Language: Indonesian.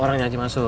orangnya aja masuk